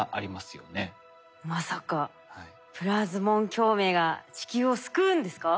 まさかプラズモン共鳴が地球を救うんですか？